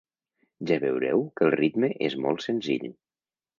Ja veureu que el ritme és molt senzill.